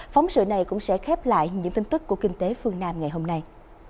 phóng sự này cũng sẽ khép lại những tin tức của kinh tế phương nam ngày hôm nay